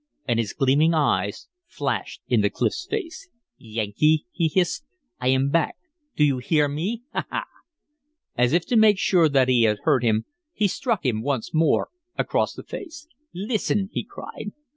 And his gleaming eyes flashed into Clif's face. "Yankee!" he hissed, "I am back. Do you hear me? Ha, ha!" As if to make sure that he heard him he struck him once more across the face. "Listen!" he cried.